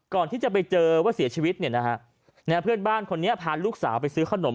ก่อนที่จะไปเจอว่าเสียชีวิตเนี่ยนะฮะนะฮะเพื่อนบ้านคนนี้ผ่านลูกสาวไปซื้อขนม